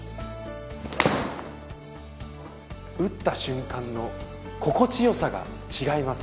打った瞬間の心地よさが違います。